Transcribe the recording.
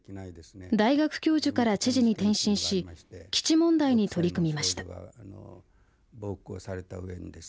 大学教授から知事に転身し基地問題に取り組みました。